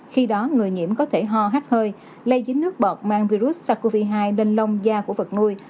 khi đó người nhiễm có thể ho hát hơi lây dính nước bọt mang virus sars cov hai lên lông da của vật nuôi